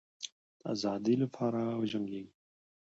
د آزادی لپاره وجنګېږی.